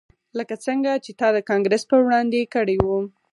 لکه څنګه چې تا د کانګرس په وړاندې کړي وو